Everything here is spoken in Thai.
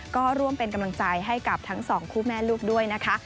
ก็ร่วมเป็นกำลังใจให้กับทั้งสองคู่แม่ลูกด้วยนะคะ